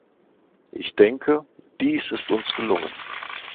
Ich denke, dies ist uns gelungen.